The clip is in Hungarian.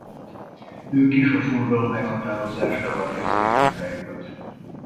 Ők is a fogalom meghatározásával kezdték munkájukat.